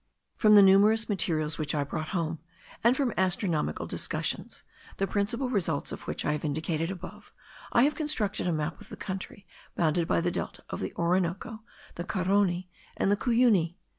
From the numerous materials which I brought home, and from astronomical discussions, the principal results of which I have indicated above, I have constructed a map of the country bounded by the delta of the Orinoco, the Carony, and the Cuyuni.